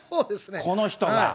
この人が。